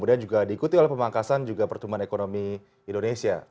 kemudian juga diikuti oleh pemangkasan juga pertumbuhan ekonomi indonesia